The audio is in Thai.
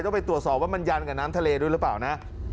ไปตรวจสอบว่ามันยันกับน้ำทะเลด้วยหรือเปล่านะ